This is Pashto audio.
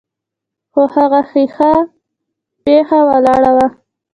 خو هغه هيښه پيښه ولاړه وه.